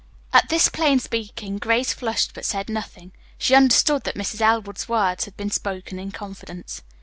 At this plain speaking Grace flushed but said nothing. She understood that Mrs. Elwood's words had been spoken in confidence.